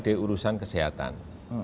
dari urusan kesehatan